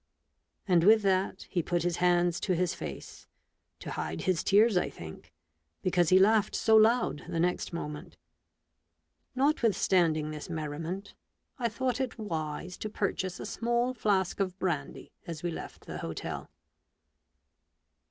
And with that he put his hands to his face — to hide his tears, I think ; because he laughed so loud the next moment. Notwithstanding this merriment, I thought it A STUDY IN MURDER. 107 wise to purchase a small flask of brandy as we left the hotel.